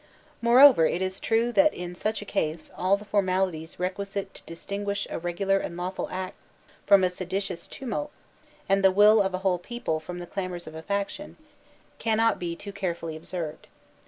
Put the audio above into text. Moveover it is true that in such a case all the formali ties requisite to distinguish a regular and lawful act from 90 THE SOCIAL CONTRACT a seditjotis tumult, and the will of a whole people from the clamors of a faction, cannot be too carefully ob served.